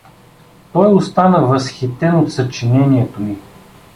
Той остана възхитен от съчинението ми.